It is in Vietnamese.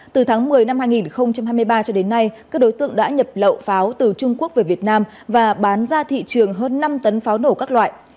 từ tháng một mươi năm hai nghìn hai mươi ba cho đến nay các đối tượng đã nhập lậu pháo từ trung quốc về việt nam và bán ra thị trường hơn năm tấn pháo nổ các loại